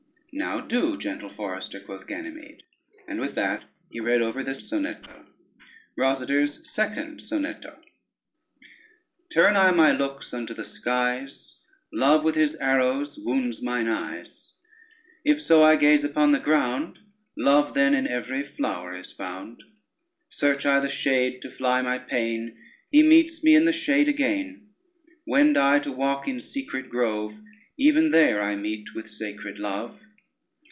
[Footnote 1: stain.] "Now do, gentle forester," quoth Ganymede; and with that he read over this sonetto: Rosader's second Sonetto Turn I my looks unto the skies, Love with his arrows wounds mine eyes; If so I gaze upon the ground, Love then in every flower is found. Search I the shade to fly my pain, He meets me in the shade again; Wend I to walk in secret grove, Even there I meet with sacred Love.